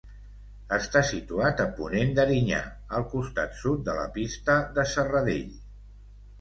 Està situat a ponent d'Erinyà, al costat sud de la Pista de Serradell.